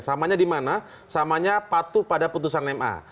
samanya di mana samanya patuh pada putusan ma